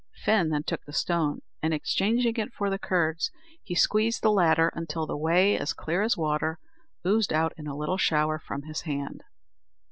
Fin then took the stone, and exchanging it for the curds, he squeezed the latter until the whey, as clear as water, oozed out in a little shower from his hand.